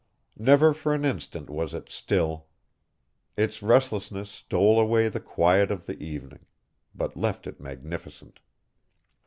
Never for an instant was it still. Its restlessness stole away the quiet of the evening; but left it magnificent.